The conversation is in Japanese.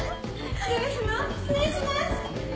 失礼します。